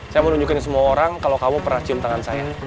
saya mau tunjukin ke semua orang kalo kamu pernah cium tangan saya